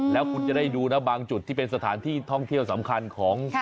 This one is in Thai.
แล้วคุณจะได้ดูนะบางจุดที่เป็นสถานที่ท่องเที่ยวสำคัญของ